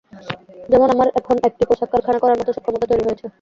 যেমন আমার এখন একটি পোশাক কারখানা করার মতো সক্ষমতা তৈরি হয়েছে।